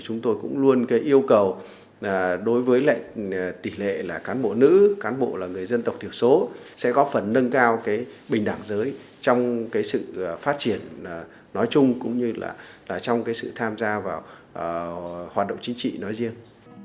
chúng tôi cũng luôn yêu cầu đối với tỷ lệ là cán bộ nữ cán bộ là người dân tộc thiểu số sẽ góp phần nâng cao bình đẳng giới trong sự phát triển nói chung cũng như là trong sự tham gia vào hoạt động chính trị nói riêng